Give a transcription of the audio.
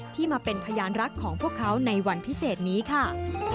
ที่มาเป็นพยานรักของพวกเขาในวันพิเศษนี้ค่ะ